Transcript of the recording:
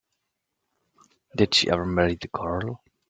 Did she ever marry the girl?